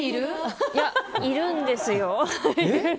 いるんですよ。